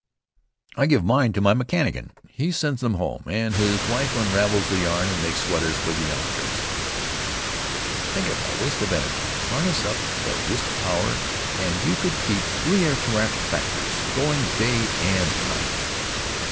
"I give mine to my mechanician. He sends them home, and his wife unravels the yarn and makes sweaters for the youngsters." "Think of the waste energy. Harness up the wrist power and you could keep three aircraft factories going day and night."